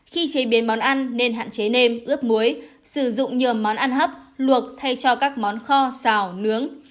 khi chế biến món ăn nên hạn chế nêm ướp muối sử dụng nhiều món ăn hấp luộc thay cho các món kho xào nướng